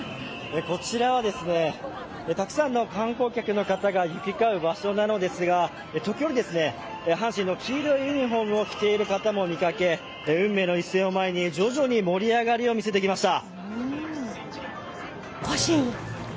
こちらはたくさんの観光客の方が行き交う場所なのですが、時折、阪神の黄色ユニフォームを着ている方も見かけ、運命の一戦を前に徐々に盛り上がりを見せてきました。